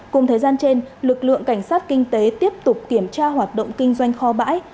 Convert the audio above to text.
cùng thời gian trên lực lượng cảnh sát kinh tế tiếp tục kiểm tra hoạt động kinh doanh kho bãi